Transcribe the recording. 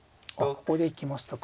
ここで行きましたか。